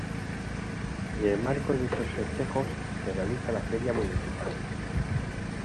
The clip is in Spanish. En el marco de estos festejos, se realiza la feria municipal.